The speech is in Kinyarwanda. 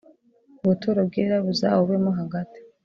ubuturo bwera buzawubemo hagati